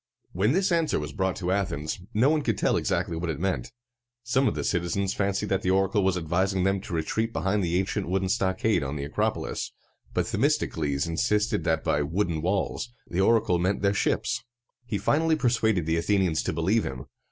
When this answer was brought to Athens, no one could tell exactly what it meant. Some of the citizens fancied that the oracle was advising them to retreat behind the ancient wooden stockade on the Acropolis, but Themistocles insisted that by "wooden walls" the oracle meant their ships. He finally persuaded the Athenians to believe him.